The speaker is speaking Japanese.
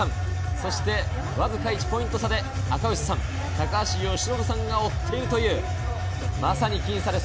そして、わずか１ポイント差で赤星さん、高橋由伸さんが追っているというまさに僅差です。